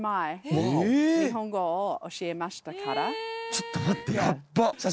ちょっと待ってヤッバ！